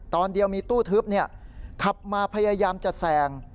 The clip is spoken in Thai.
ตอนเดียวมีตู้ทึบขับมาพยายามจะแซง